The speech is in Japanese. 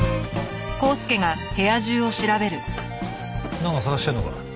なんか捜してるのか？